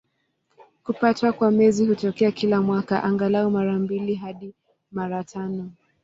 Kupatwa kwa Mwezi hutokea kila mwaka, angalau mara mbili hadi mara tano.